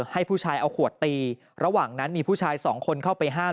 ให้ผู้ชายเอาขวดตีระหว่างนั้นมีผู้ชายสองคนเข้าไปห้าม